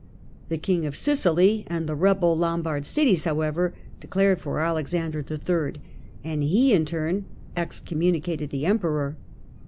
The King of Sicily and the rebel Lombard cities, however, declared for Alexander III., and he, in turn, ex communicated the Emperor.